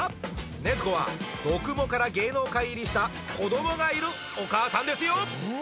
禰豆子は読モから芸能界入りした子どもがいるお母さんですよ